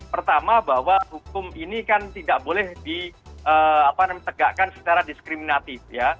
pertama bahwa hukum ini kan tidak boleh ditegakkan secara diskriminatif